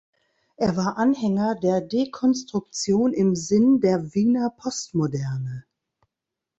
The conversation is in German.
Er war Anhänger der Dekonstruktion im Sinn der Wiener Postmoderne.